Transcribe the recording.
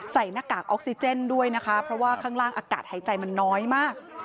หน้ากากออกซิเจนด้วยนะคะเพราะว่าข้างล่างอากาศหายใจมันน้อยมาก